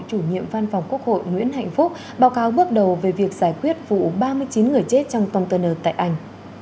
chủ nhiệm văn phòng quốc hội nguyễn hạnh phúc báo cáo bước đầu về việc giải quyết vụ ba mươi chín người chết trong container tại anh